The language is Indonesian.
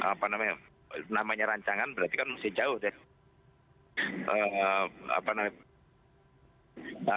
apa namanya namanya rancangan berarti kan masih jauh ya